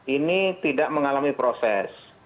ini tidak mengalami proses